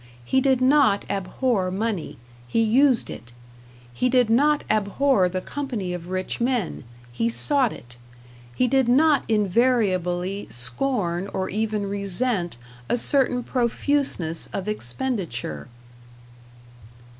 He did not abhor money; he used it. He did not abhor the company of rich men; he sought it. He did not invariably scorn or even resent a certain profuseness of expenditure.